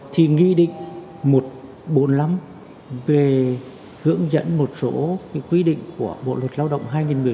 thì nghị định một trăm bốn mươi năm về hướng dẫn một số quy định của bộ luật lao động hai nghìn một mươi bốn